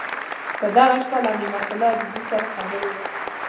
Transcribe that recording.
په دغه شپه له نعمت الله عزیز سره خبرې وکړې.